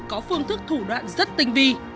có phương thức thủ đoạn rất tinh vi